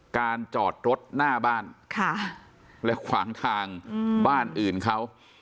การจอดรถหน้าบ้านและขวางทางบ้านอื่นเขา